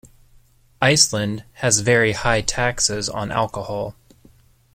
Iceland has very high taxes on alcohol.